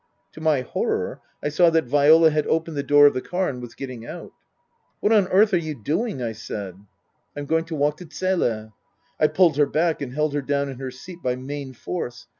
To my horror I saw that Viola had opened the door of the car and was getting out. " What on earth are you doing ?" I said. " I'm going to walk to Zele." I pulled her back and held her down in her seat by main force.